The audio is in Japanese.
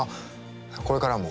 これからも。